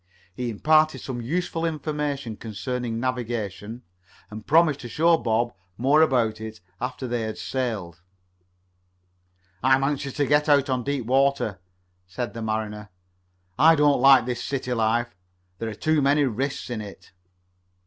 He imparted some useful information concerning navigation, and promised to show Bob more about it after they had sailed. "I'm anxious to get out on deep water," said the mariner. "I don't like this city life. There are too many risks in it."